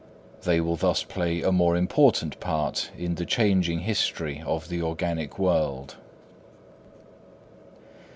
They will thus play a more important part in the changing history of the organic world.